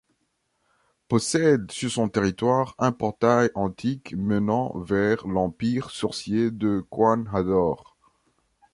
Possède sur son territoire un portail antique menant vers l'empire sorcier de Kuan Hador.